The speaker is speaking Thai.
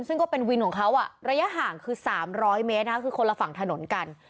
ซึ่งก็เป็นวินของเขาระยะห่างคือ๓๐๐เมตรคือคนละฝั่งถนนกัน